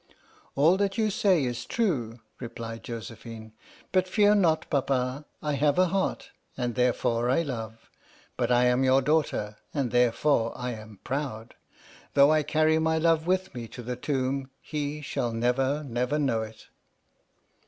" All that you say is true," replied Josephine, " but fear not, Papa; I have a heart, and therefore I love; but I am your daughter, and therefore I am proud. Though I carry my love with me to the tomb he shall never, never know it!"